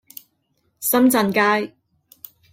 深圳街